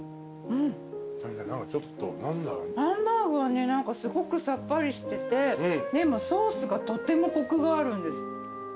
ハンバーグはねすごくさっぱりしててでもソースがとってもコクがあるんです。